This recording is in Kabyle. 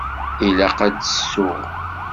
Ilaq ad d-ssuɣ.